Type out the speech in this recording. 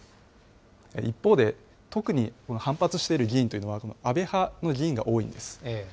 一方で、特に反発している議員というのは、安倍派の議員が多いんです。